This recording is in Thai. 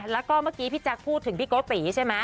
แล้วก็เมื่อกี้พี่แจ๊คพูดถึงพี่โกติใช่ไหม